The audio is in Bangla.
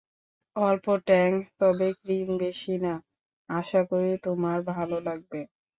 অল্প ট্যাং, তবে ক্রিম বেশি না, আশা করি তোমার ভালো লাগবে।